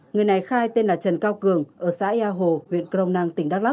người này khai tên là trần cao cường ở xã ea hồ huyện kronang tỉnh đắk lắc